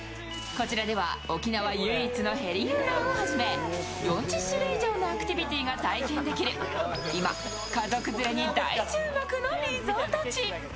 こちらでは沖縄唯一のヘリ遊覧をはじめ、４０種類以上のアクティビティーが体験できる今、家族連れに大注目のリゾート地。